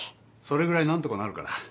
それぐらい何とかなるから。